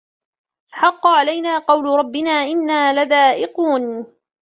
فحق علينا قول ربنا إنا لذائقون